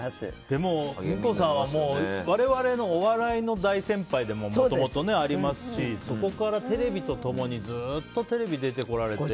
でも、ピン子さんは我々のお笑いの大先輩でも、もともとありますしそこからテレビと共にずっと出てこられて。